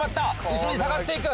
後ろに下がっていく。